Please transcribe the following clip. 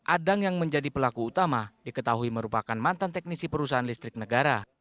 adang yang menjadi pelaku utama diketahui merupakan mantan teknisi perusahaan listrik negara